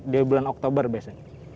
dia bulan oktober biasanya